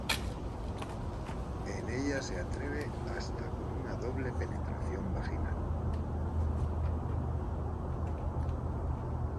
En ella se atreve hasta con una doble penetración vaginal.